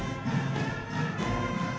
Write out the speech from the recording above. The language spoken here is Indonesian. ketiga batalion lieutenant colonel irga hayu kostrat